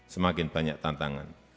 semakin banyak tantangan